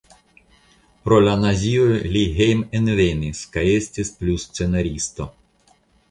Pro la nazioj li hejmenvenis kaj estis plu scenaristo.